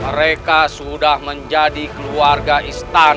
mereka sudah menjadi keluarga istana